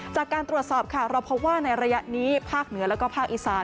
จากการตรวจสอบค่ะเราพบว่าในระยะนี้ภาคเหนือแล้วก็ภาคอีสาน